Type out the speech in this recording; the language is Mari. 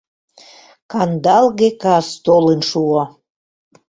Кандалге кас толын шуо.